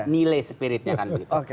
nilai spiritnya kan begitu